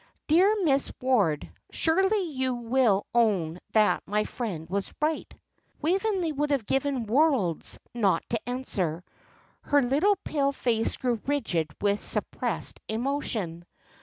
Dear Miss Ward, surely you will own that my friend was right." Waveney would have given worlds not to answer. Her little pale face grew rigid with suppressed emotion.